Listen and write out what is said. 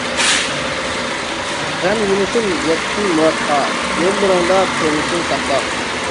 غەم يېمىسۇن يەتسۇن مۇرادقا، يوللىرىڭدا تۇرمىسۇن ساقلاپ.